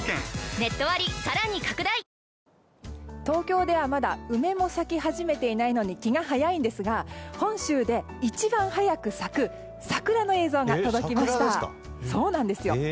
東京ではまだ梅も咲き始めていないのに気が早いんですが本州で一番早く咲く桜の映像が届きました。